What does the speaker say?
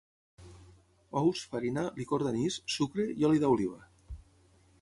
Ous, farina, licor d'anís, sucre i oli d'oliva.